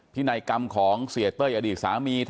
นัยกรรมของเสียเต้ยอดีตสามี